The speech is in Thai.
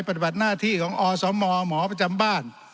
ปฏิบัติหน้าที่ของอสมหมอประจำบ้าน